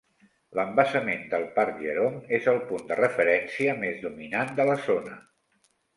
L'embassament del parc Jerome és el punt de referència més dominant de la zona.